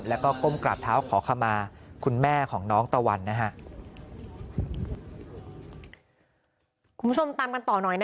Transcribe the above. แล้วก็ก้มกราบเท้าขอขมาคุณแม่ของน้องตะวันนะฮะ